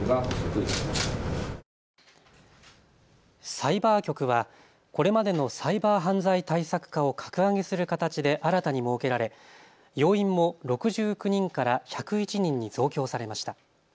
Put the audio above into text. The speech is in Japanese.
サイバー局はこれまでのサイバー犯罪対策課を格上げする形で新たに設けられ要員も６９人から１０１人に増強されました。